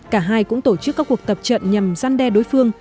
cả hai cũng tổ chức các cuộc tập trận nhằm gian đe đối phương